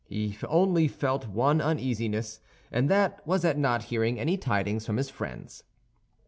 He only felt one uneasiness, and that was at not hearing any tidings from his friends.